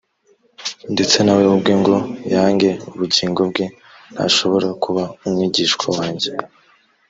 ndetse na we ubwe ngo yange ubugingo bwe ntashobora kuba umwigishwa wanjye